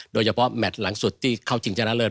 โดยเฉพาะแมตรหลังสุดที่เข้าถึงชนะเลิศ